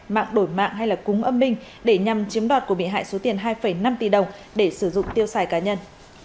mạng đổi mạng hay là cúng âm minh để nhằm chiếm đoạt của bị hại số tiền hai năm tỷ đồng để sử dụng tiêu xài cá nhân